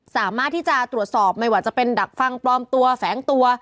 สามารถที่จะตรวจสอบไม่ว่าจะเป็นดักฟังปลอมตัวแฝงตัว